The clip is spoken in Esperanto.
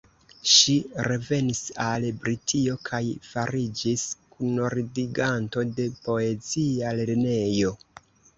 Ŝi revenis al Britio kaj fariĝis kunordiganto de Poezia Lernejo.